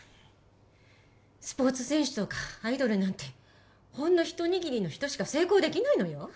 スポーツ選手とかアイドルなんてほんの一握りの人しか成功できないのよ